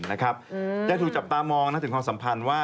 ยังถูกจับตามองถึงความสัมพันธ์ว่า